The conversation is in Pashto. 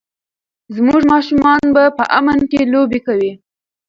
زموږ ماشومان به په امن کې لوبې کوي.